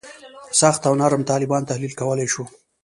سخت او نرم طالبان تحلیل کولای شو.